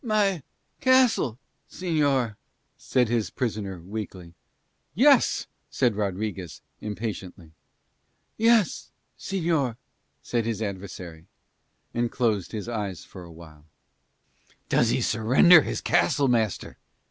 "My castle, señor?" said his prisoner weakly. "Yes," said Rodriguez impatiently. "Yes, señor," said his adversary and closed his eyes for awhile. "Does he surrender his castle, master?"